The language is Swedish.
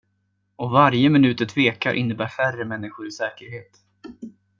Och varje minut du tvekar innebär färre människor i säkerhet.